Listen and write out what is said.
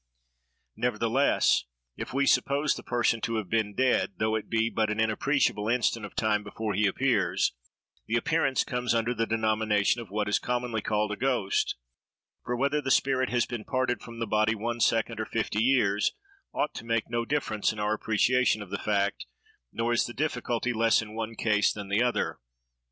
Nevertheless, if we suppose the person to have been dead, though it be but an inappreciable instant of time before he appears, the appearance comes under the denomination of what is commonly called a ghost; for whether the spirit has been parted from the body one second or fifty years, ought to make no difference in our appreciation of the fact, nor is the difficulty less in one case than the other.